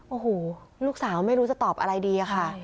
โอ้โหลูกสาวไม่รู้จะตอบอะไรดีอะค่ะ